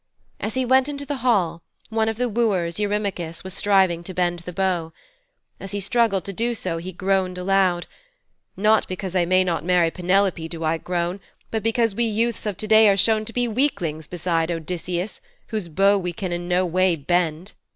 As he went into the hall, one of the wooers, Eurymachus, was striving to bend the bow. As he struggled to do so he groaned aloud: 'Not because I may not marry Penelope do I groan, but because we youths of to day are shown to be weaklings beside Odysseus, whose bow we can in no way bend.'